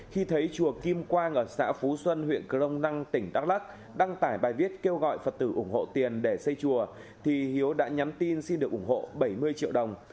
khi thấy chùa kim quang ở xã phú xuân huyện crong năng tỉnh đắk lắc đăng tải bài viết kêu gọi phật tử ủng hộ tiền để xây chùa thì hiếu đã nhắn tin xin được ủng hộ bảy mươi triệu đồng